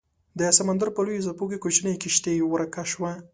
د سمندر په لویو څپو کې کوچنۍ کیشتي ورکه شوه